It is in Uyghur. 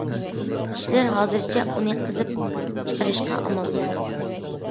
كىشىلەر ھازىرچە ئۇنى قېزىپ چىقىرىشقا ئامالسىز.